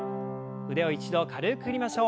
腕を一度軽く振りましょう。